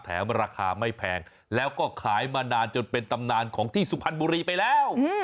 ราคาไม่แพงแล้วก็ขายมานานจนเป็นตำนานของที่สุพรรณบุรีไปแล้ว